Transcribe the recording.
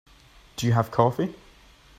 Do you have coffee?